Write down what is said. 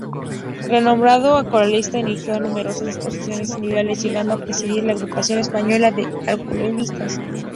Renombrado acuarelista, inauguró numerosas exposiciones individuales, llegando a presidir la Agrupación Española de Acuarelistas.